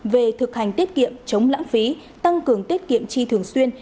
về thực hành tiết kiệm chống lãng phí tăng cường tiết kiệm chi thường xuyên